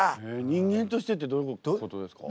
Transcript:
人間としてってどういうことですか？